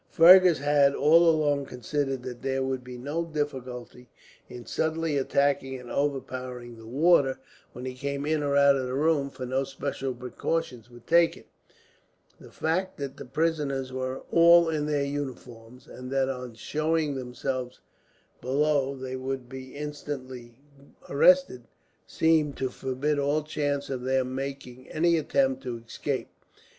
Fergus had, all along, considered that there would be no difficulty in suddenly attacking and overpowering the warder, when he came in or out of his room, for no special precautions were taken. The fact that the prisoners were all in their uniforms, and that on showing themselves below they would be instantly arrested, seemed to forbid all chance of their making any attempt to escape.